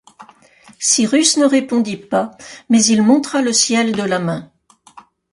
Cyrus ne répondit pas, mais il montra le ciel de la main